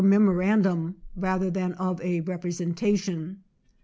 memorandum, rather than of a represen tation.